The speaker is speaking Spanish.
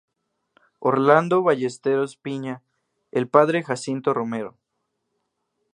Orlando Ballesteros piña, El padre Jacinto Romero.